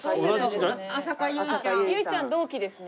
唯ちゃん同期ですね。